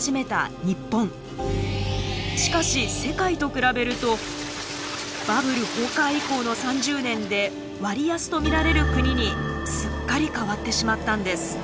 しかし世界と比べるとバブル崩壊以降の３０年で割安と見られる国にすっかり変わってしまったんです。